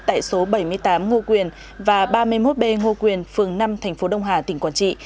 tại số bảy mươi tám ngo quyền và ba mươi một b ngo quyền phường năm tp đông hà tỉnh quản trị